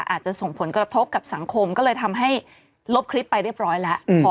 อาจจะส่งผลกระทบกับสังคมก็เลยทำให้ลบคลิปไปเรียบร้อยแล้ว